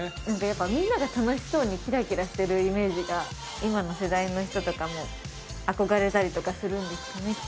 何かやっぱみんなが楽しそうにキラキラしてるイメージが今の世代の人とかも憧れたりとかするんですかね